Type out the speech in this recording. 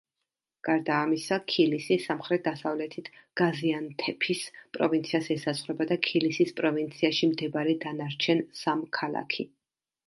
გარდა ამისა, ქილისი სამხრეთ-დასავლეთით გაზიანთეფის პროვინციას ესაზღვრება და ქილისის პროვინციაში მდებარე დანარჩენ სამ ქალაქი.